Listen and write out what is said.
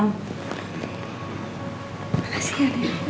makasih ya nenek